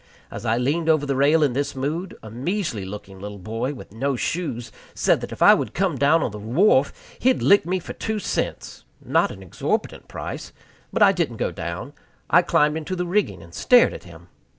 As I leaned over the rail in this mood, a measly looking little boy with no shoes said that if I would come down on the wharf he'd lick me for two cents not an exorbitant price. But I didn't go down. I climbed into the rigging, and stared at him.